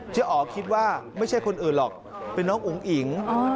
อ๋อคิดว่าไม่ใช่คนอื่นหรอกเป็นน้องอุ๋งอิ๋ง